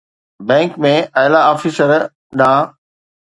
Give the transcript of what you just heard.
bank ۾ اعليٰ officer ڏانهن